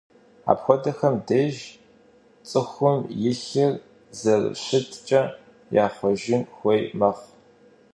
Апхуэдэхэм деж цӏыхум и лъыр зэрыщыткӏэ яхъуэжын хуей мэхъу.